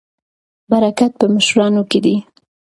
برکت په مشرانو کې دی.